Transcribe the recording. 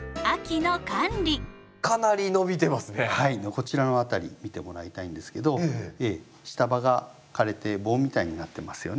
こちらの辺り見てもらいたいんですけど下葉が枯れて棒みたいになってますよね。